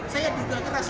saya diduga keras